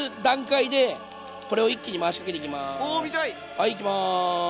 はいいきます。